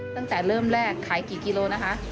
ตั้งแต่เริ่มแรกขายกี่กิโลนะคะ